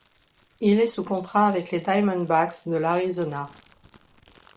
Il est sous contrat avec les Diamondbacks de l'Arizona.